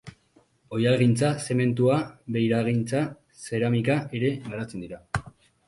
Oihalgintza, zementua, beiragintza, zeramika ere garatzen dira.